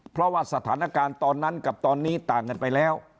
เพราะว่าสถานการณ์ตอนนั้นกับตอนนี้ต่างกันไปแล้ว